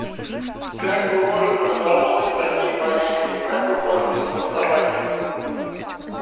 Как мы можем разработать такие понятия, и как мы можем согласовать их?